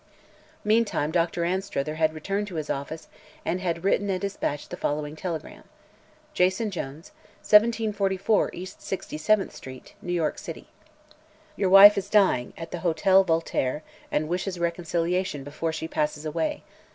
Meantime, Dr. Anstruther had returned to his office and had written and dispatched the following telegram: "Jason Jones, 1744 East 67th St., New York City. "Your wife is dying at the Hotel Voltaire and wishes reconciliation before she passes away.